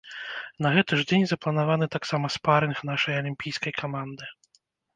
На гэты ж дзень запланаваны тамсама спарынг нашай алімпійскай каманды.